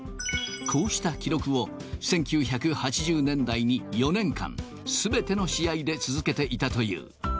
こうした記録を、１９８０年代に４年間、すべての試合で続けていたという。